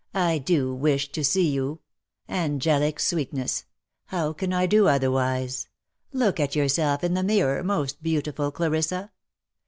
" I do wish to see you: Angelic sweetness ! How can I do otherwise ? Look at yourself in the mirror, most beautiful Clarissa